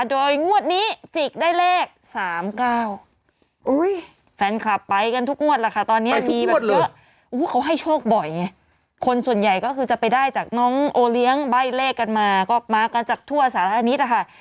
โดยงวดนี้จิกได้เลข๓๙แฟนคลับไปกันทุกงวดแหละค่ะตอนนี้มีหมดเยอะเขาให้โชคบ่อยไงคนส่วนใหญ่ก็คือจะไปได้จากน้องโอเลี้ยงใบ้เลขกันมาก็มากันจากทั่วสาริตนะคะ